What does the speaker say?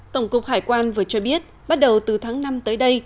tổng cục hải quan vừa cho biết bắt đầu từ tháng năm tới đây